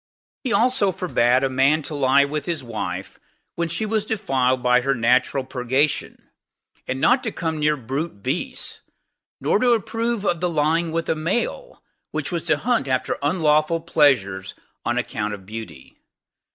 He also forbade a man to lie with his wife when she was defiled by her natural purgation: and not to come near brute beasts; nor to approve of the lying with a male, which was to hunt after unlawful pleasures on account of beauty.